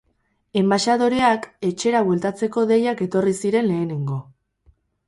Enbaxadoreak etxera bueltatzeko deiak etorri ziren lehenengo.